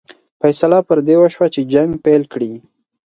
فیصله پر دې وشوه چې جنګ پیل کړي.